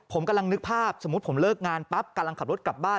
ผมกำลังนึกภาพสมมุติผมเลิกงานปั๊บกำลังขับรถกลับบ้าน